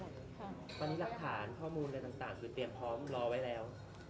ตอนนี้หลักฐานข้อมูลอะไรต่างคือเตรียมพร้อมรอไว้แล้ว